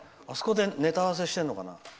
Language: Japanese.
あそこでネタ合わせしてるのかな。